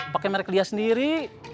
pakai merek dia sendiri